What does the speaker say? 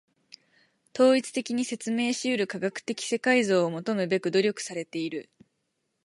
統一的に説明し得る科学的世界像を求むべく努力されている。